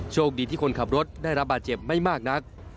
โชคดีที่คนขับรถได้รับบาดเจ็บไม่มากนัก